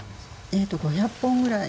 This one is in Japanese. えっと５００本ぐらい。